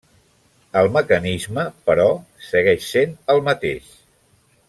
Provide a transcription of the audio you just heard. El mecanisme, però, segueix sent el mateix.